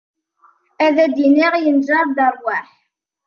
Ad iniɣ yenjer-d rwaḥ.